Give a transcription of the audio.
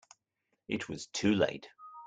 It was too late.